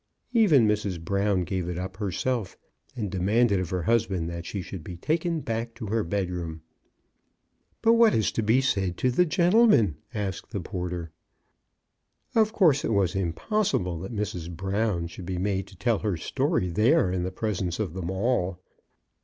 Even Mrs. Brown gave it up herself, and demanded of her husband that she should be taken back to her bedroom. But what is to be said to the gentleman?" asked the porter. Of course it was impossible that Mrs. Brown should be made to tell her story there in the presence of them all.